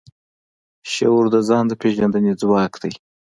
شعور د ځان د پېژندنې ځواک دی.